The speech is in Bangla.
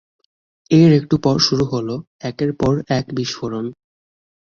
এর একটু পর শুরু হলো একের পর এক বিস্ফোরণ।